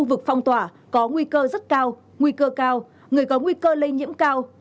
vực phong tỏa có nguy cơ rất cao nguy cơ cao người có nguy cơ lây nhiễm cao